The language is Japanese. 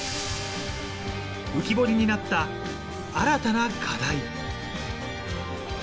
浮き彫りになった新たな課題。